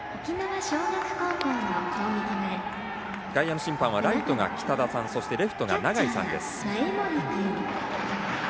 外野の審判はライトが北田さんそしてレフトが永井さんです。